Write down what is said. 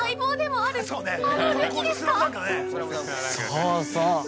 ◆そうそう。